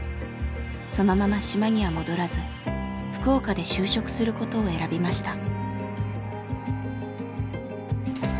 そのまま島には戻らず福岡で就職することを選びました。